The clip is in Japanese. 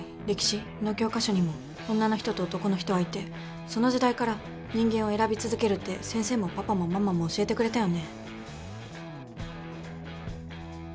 歴史？の教科書にも女の人と男の人はいてその時代から人間は選び続けるって先生もパパもママも教えてくれたよね。